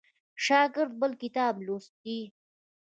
شاګرد بل کتاب لوستی.